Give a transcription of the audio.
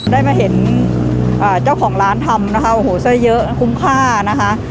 ได้มาเห็นเจ้าของร้านทำนะคะโอ้โหไส้เยอะคุ้มค่านะคะ